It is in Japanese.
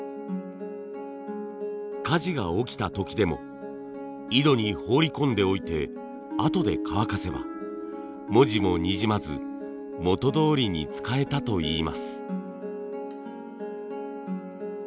火事が起きた時でも井戸に放り込んでおいてあとで乾かせば文字もにじまず元どおりに使えたといいます。